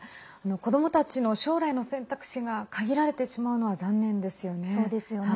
子どもたちの将来の選択肢が限られてしまうのは残念ですよね。